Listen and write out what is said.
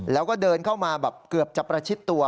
แล้วก็เดินเข้ามาแบบเกือบจะประชิดตัว